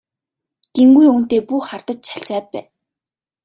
Гэмгүй хүнтэй бүү хардаж чалчаад бай!